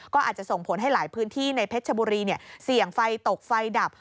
ก็อาจจะส่งผลให้หลายพื้นที่ในเพชรชบุรีเสี่ยงไฟตกไฟดับ